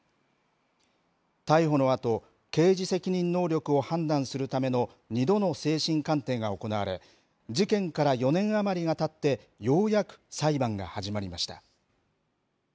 逮捕のあと、刑事責任能力を判断するための２度の精神鑑定が行われ、事件から４年余りがたって、ようやく裁判が始まりました。